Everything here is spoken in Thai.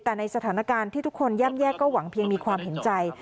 แต่ในสถานการณ์ที่ทุกคนย่ำแย่ก็หวังเพียงมีความเห็นใจ